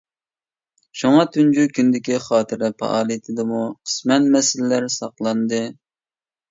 شۇڭا تۇنجى كۈنىدىكى خاتىرە پائالىيىتىدىمۇ قىسمەن مەسىلىلەر ساقلاندى.